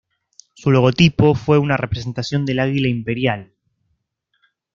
Su logotipo fue una representación del águila imperial.